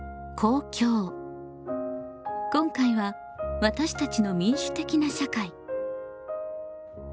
今回は「私たちの民主的な社会」。